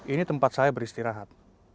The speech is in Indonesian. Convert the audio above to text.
ini tempat saya beristirahat